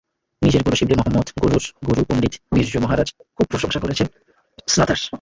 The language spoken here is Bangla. নিজের গুরু শিবলী মহম্মদ, গুরুর গুরু পণ্ডিত বিরজু মহারাজ খুব প্রশংসা করেছেন স্নাতার।